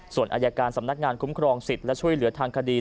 ส่วนอายการสำนักงานคุ้มครองสิทธิ์และช่วยเหลือทางคดี